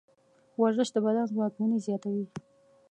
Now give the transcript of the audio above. ورزش د بدن ځواکمني زیاتوي.